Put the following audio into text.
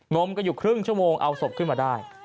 มกันอยู่ครึ่งชั่วโมงเอาศพขึ้นมาได้